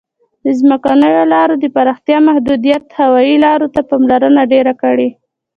د ځمکنیو لارو د پراختیا محدودیت هوایي لارو ته پاملرنه ډېره کړې.